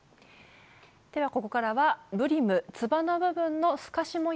ではここからはブリムつばの部分の透かし模様の部分ですね。